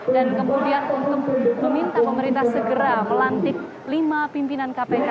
dan kemudian untuk meminta pemerintah segera melantik lima pimpinan kpk